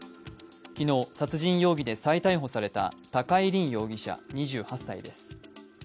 昨日、殺人容疑で再逮捕された高井凜容疑者２８歳です。